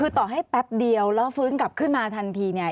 คือต่อให้แป๊บเดียวแล้วฟื้นกลับขึ้นมาทันทีเนี่ย